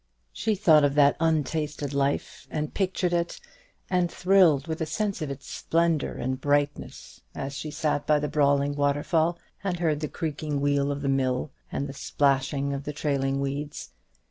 She thought of that untasted life, and pictured it, and thrilled with a sense of its splendour and brightness, as she sat by the brawling waterfall, and heard the creaking wheel of the mill, and the splashing of the trailing weeds.